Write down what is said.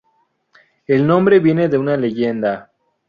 El nombre viene de una leyenda.